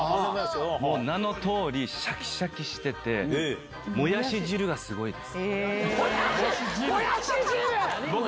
もう名のとおり、しゃきしゃきしてて、もやし汁がすごいです。